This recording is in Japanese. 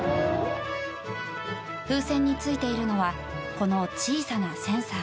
風船についているのはこの小さなセンサー。